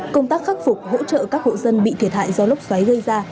công tác khắc phục hỗ trợ các hộ dân bị thiệt hại do lốc xoáy gây ra